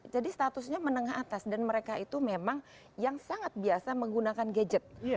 jadi statusnya menengah atas dan mereka itu memang yang sangat biasa menggunakan gadget